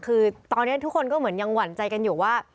คือตอนนี้ทุกคนก็เหมือนยังหวั่นใจกันอยู่ว่า